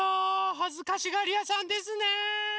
はずかしがりやさんですね。